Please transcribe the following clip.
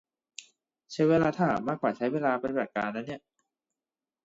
ใช้เวลาถามมากกว่าใช้เวลาปฏิบัติการนะเนี่ย